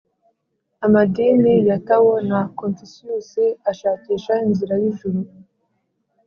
amadini ya tao na confucius ashakisha inzira y’ijuru